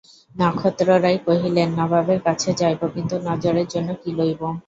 নক্ষত্ররায় কহিলেন, নবাবের কাছে যাইব, কিন্তু নজরের জন্য কী লইব।